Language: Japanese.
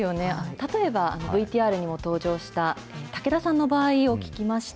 例えば、ＶＴＲにも登場した竹田さんの場合を聞きました。